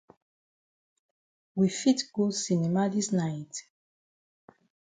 We fit go cinema dis night?